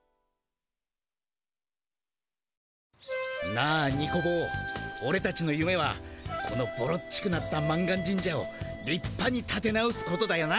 なあニコ坊オレたちのゆめはこのボロっちくなった満願神社をりっぱにたて直すことだよな。